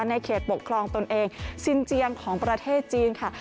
ในเขตปกครองตนเองสินเจียงของประเทศจีนค่ะ